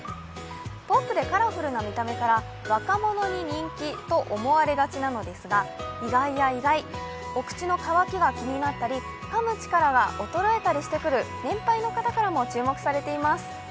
ポップでカラフルな見た目から若者に人気と思われがちなのですが意外や意外、お口の渇きが気になったり、かむ力が衰えたりしてくる年配の方からも注目されています。